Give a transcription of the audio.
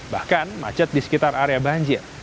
bahkan macet di sekitar area banjir